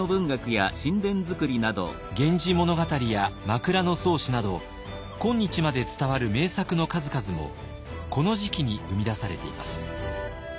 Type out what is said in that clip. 「源氏物語」や「枕草子」など今日まで伝わる名作の数々もこの時期に生み出されています。